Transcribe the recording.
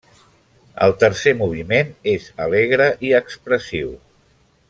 El tercer moviment és alegre i expressiu.